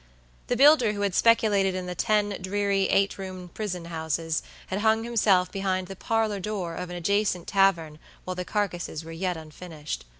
The builder who had speculated in the ten dreary eight roomed prison houses had hung himself behind the parlor door of an adjacent tavern while the carcases were yet unfinished.